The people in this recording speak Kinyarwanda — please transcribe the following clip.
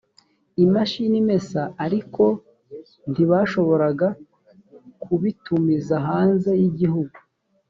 imashini imesa ariko ntibashoboraga kubitumiza hanze y igihugu